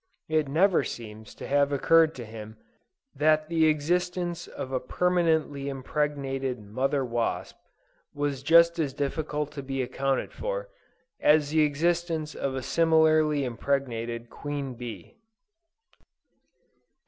It never seems to have occurred to him, that the existence of a permanently impregnated mother wasp, was just as difficult to be accounted for, as the existence of a similarly impregnated Queen Bee.